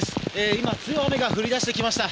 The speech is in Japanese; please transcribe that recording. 今、強い雨が降り出してきました。